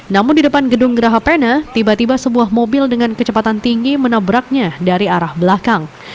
namun di depan gedung geraha pena tiba tiba sebuah mobil dengan kecepatan tinggi menabraknya dari arah belakang